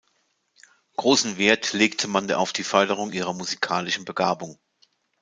Großen Wert legte man auf die Förderung ihrer musikalischen Begabung.